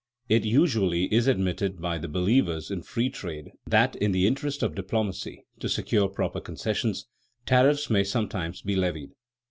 _ It usually is admitted by the believers in free trade that in the interest of diplomacy, to secure proper concessions, tariffs may sometimes be levied.